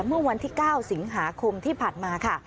เมื่อวันที่๙สิงหาคมที่ผ่านมาค่ะ